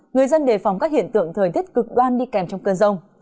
người dân đề phòng các hiện tượng thời tiết cực đoan đi kèm trong cơn rông